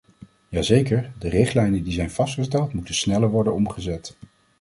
Jazeker, de richtlijnen die zijn vastgesteld moeten sneller worden omgezet.